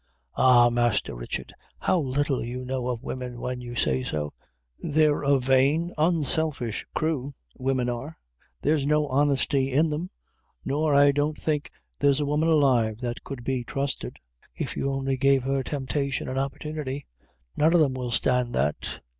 "Ah, Master Richard! how little you know of woman, when you say so. They're a vain, uncertain, selfish crew women are there's no honesty in them, nor I don't think there's a woman alive that could be trusted, if you only give her temptation and opportunity; none of them will stand that."